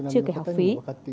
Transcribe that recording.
chứ kể học phí